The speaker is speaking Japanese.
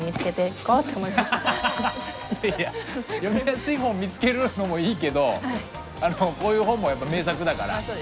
いや読みやすい本見つけるのもいいけどあのこういう本もやっぱ名作だから読めるように。